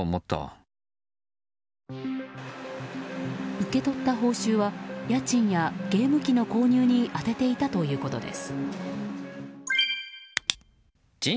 受け取った報酬は家賃やゲーム機の購入に充てていたということです。